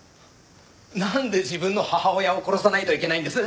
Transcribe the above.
なんで自分の母親を殺さないといけないんです！？